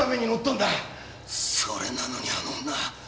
それなのにあの女